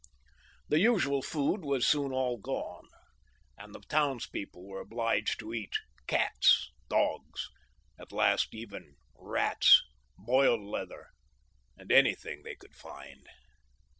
The usual food was soon all gone, and the townspeople were obliged to eat cats, dogs, at last even rats, boiled leather, and anything they could find.